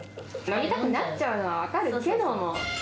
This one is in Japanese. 飲みたくなっちゃうのは分かるけども。